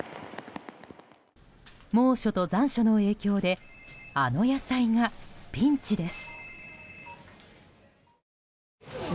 猛暑と残暑の影響であの野菜がピンチです。